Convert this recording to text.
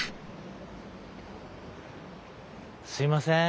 すいません。